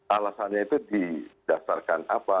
alasannya itu didasarkan apa